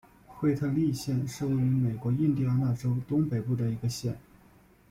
惠特利县是位于美国印第安纳州东北部的一个县。